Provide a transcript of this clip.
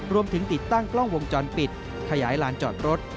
ติดตั้งกล้องวงจรปิดขยายลานจอดรถ